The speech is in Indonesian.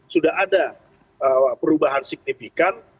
sudah ada perubahan signifikan